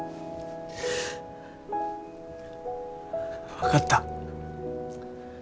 分かった。